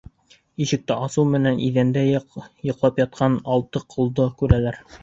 Ишекте асыу менән иҙәндә йоҡлап ятҡан алты ҡолдо күрәләр!